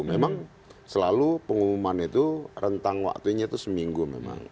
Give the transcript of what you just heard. memang selalu pengumuman itu rentang waktunya itu seminggu memang